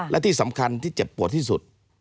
และที่สำคัญที่เจ็บปวดที่สุด